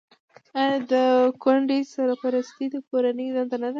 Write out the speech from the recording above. آیا د کونډې سرپرستي د کورنۍ دنده نه ده؟